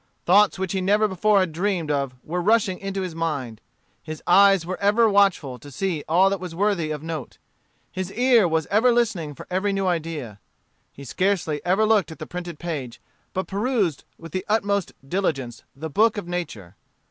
Thoughts which he never before had dreamed of were rushing into his mind. His eyes were ever watchful to see all that was worthy of note. His ear was ever listening for every new idea. He scarcely ever looked at the printed page, but perused with the utmost diligence the book of nature.